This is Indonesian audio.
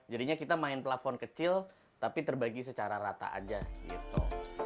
jadinya kita main plafon kecil tapi terbagi secara rata aja gitu